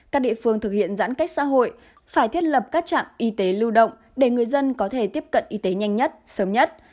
các địa phương thực hiện giãn cách xã hội phải thiết lập các trạm y tế lưu động để người dân có thể tiếp cận y tế nhanh nhất sớm nhất